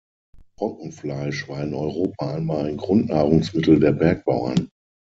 Trockenfleisch war in Europa einmal ein Grundnahrungsmittel der Bergbauern.